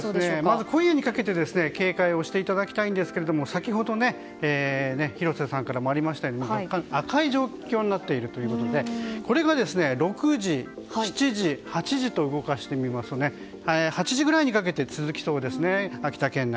まず、今夜にかけて警戒していただきたいんですが先ほど、広瀬さんからもありましたように赤い状況になっているということでこれが６時７時８時と動かしてみますと８時ぐらいにかけて続きそうですね、秋田県内。